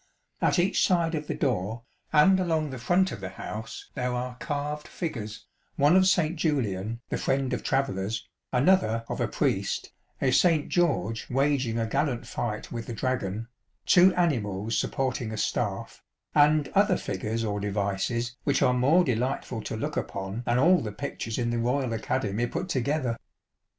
At each side of the door, and along the front of the house, there are carved figures, one of St. Julian the friend of travellers, another of a priest, a St. George waging a gallant fight with the dragon, two animals supporting a staff, and other figures or devices which are more delightful to look upon than all the pictures in the Royal Academy put together.